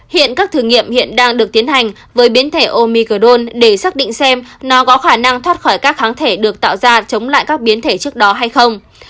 hiện các thử nghiệm hiện đang được tiến hành với biến thể omi grone để xác định xem nó có khả năng thoát khỏi các kháng thể được tạo ra chống lại các biến thể trước đó hay không